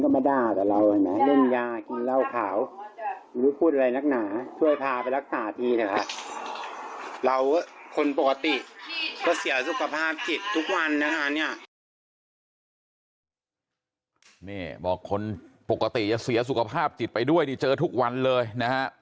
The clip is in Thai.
บอกว่าคนปกติจะเสียสุขภาพจิตไปด้วยที่เจอทุกวันเลยนะครับ